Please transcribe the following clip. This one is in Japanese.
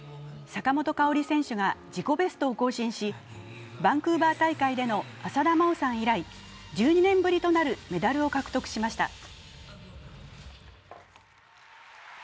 坂本花織選手が自己ベストを更新しバンクーバー大会での浅田真央さん以来、１２年ぶりとなるメダルを獲得しました。